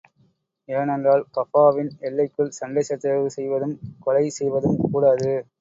ஏனென்றால், கஃபாவின் எல்லைக்குள் சண்டை சச்சரவு செய்வதும், கொலை செய்வதும் கூடாது.